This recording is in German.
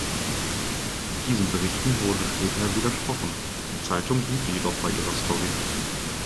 Diesen Berichten wurde später widersprochen, die Zeitung blieb jedoch bei ihrer Story.